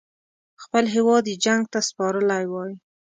خپل هیواد یې جنګ ته سپارلی وای.